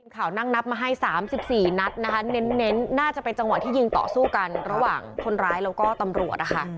ข่าวนั่งนับมาให้๓๔นัดนะคะเน้นน่าจะเป็นจังหวะที่ยิงต่อสู้กันระหว่างคนร้ายแล้วก็ตำรวจนะคะ